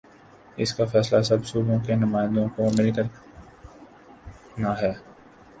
اس کا فیصلہ سب صوبوں کے نمائندوں کو مل کر نا ہے۔